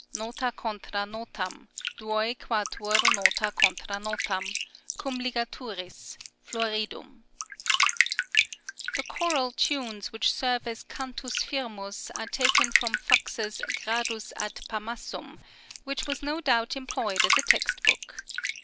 (Nota contra notam; duoy quatuor nota contra notam; cum ligaturis; floridum.) The choral tunes which serve as Cantus firmus are taken from Fux's Gradus ad Pamassum, which was no doubt employed as a textbook.